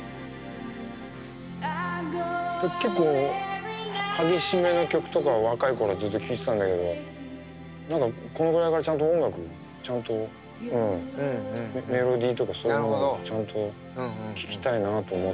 結構激しめの曲とか若い頃はずっと聴いてたんだけど何かこのぐらいからちゃんと音楽メロディーとかそういうのもちゃんと聴きたいなと思ってた頃だから。